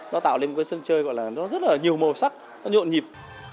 nó tạo lên một cái sân chơi gọi là nó rất là nhiều màu sắc nó nhộn nhịp